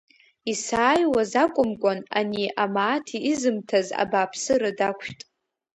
Исааиуаз акәымкәан, ани амааҭ изымҭаз абааԥсыра дақәшәт.